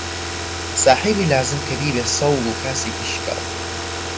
ساحیبی لازم کە بیبێ سەوڵ و کاسێکی شکاو